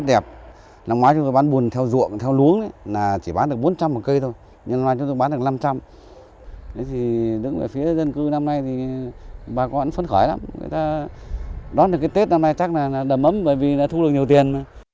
đón được cái tết năm nay chắc là đầm ấm bởi vì đã thu được nhiều tiền